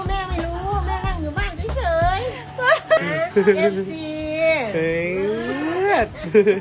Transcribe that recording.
แม่ไม่รู้แม่นั่งอยู่บ้านเท่าไหร่